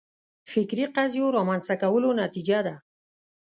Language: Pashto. فکري قضیو رامنځته کولو نتیجه ده